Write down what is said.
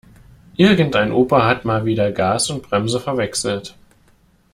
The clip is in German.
Irgendein Opa hat mal wieder Gas und Bremse verwechselt.